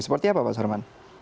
seperti apa pak sarman